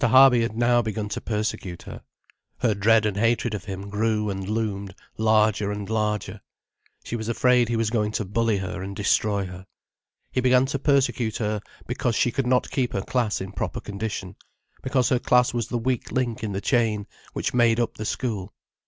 Harby had now begun to persecute her. Her dread and hatred of him grew and loomed larger and larger. She was afraid he was going to bully her and destroy her. He began to persecute her because she could not keep her class in proper condition, because her class was the weak link in the chain which made up the school.